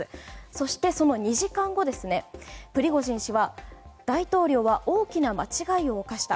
そして、その２時間後プリゴジン氏は大統領は大きな間違いを犯した。